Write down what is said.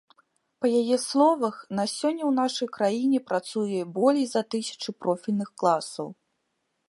Па яе словах, на сёння ў нашай краіне працуе болей за тысячу профільных класаў.